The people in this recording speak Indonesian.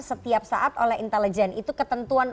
setiap saat oleh intelijen itu ketentuan